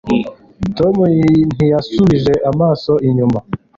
tom ntiyasubije amaso inyuma